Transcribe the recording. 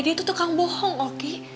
dia itu tukang bohong oki